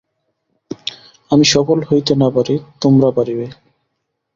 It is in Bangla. আমি সফল হইতে না পারি, তোমরা পারিবে।